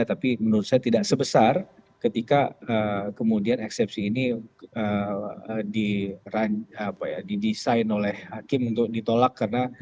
tapi menurut saya tidak sebesar ketika kemudian eksepsi ini didesain oleh hakim untuk ditolak karena